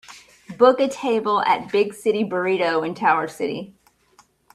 book a table at Big City Burrito in Tower City